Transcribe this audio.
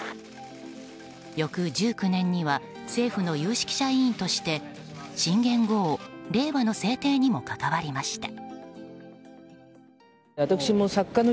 翌１９年には政府の有識者委員として新元号、令和の制定にも関わりました。